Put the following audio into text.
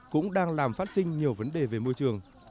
cũng đang làm phát sinh nhiều vấn đề về môi trường